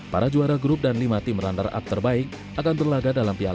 para juara grup dan lima tim runner up terbaik akan berlaga dalam piala